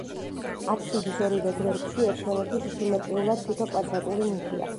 აბსიდის ორივე გვერდში, ერთმანეთის სიმეტრიულად, თითო კვადრატული ნიშია.